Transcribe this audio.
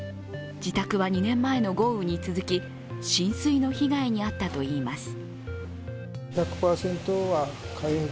自宅は２年前の豪雨に続き、浸水の被害に遭ったといいます。